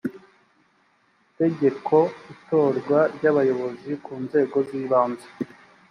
tegeko itorwa ry abayobozi ku nzego z ibanze